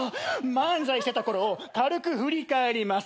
漫才してたころを軽く振り返ります。